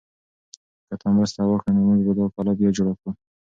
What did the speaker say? که ته مرسته وکړې نو موږ به دا کلا بیا جوړه کړو.